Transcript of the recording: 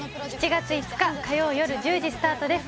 ７月５日火曜よる１０時スタートです